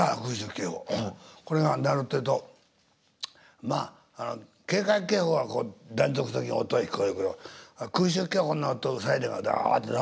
これが鳴るってえとまあ警戒警報はこう断続的に音が聞こえるけど空襲警報になるとサイレンがダッと長く聞こえる。